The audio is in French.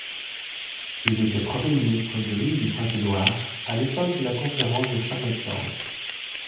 Il était premier ministre de l'Île-du-Prince-Édouard à l'époque de la Conférence de Charlottetown.